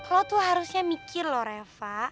kalau tuh harusnya mikir loh reva